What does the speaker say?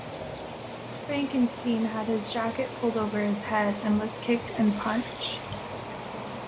Frankensteen had his jacket pulled over his head and was kicked and punched.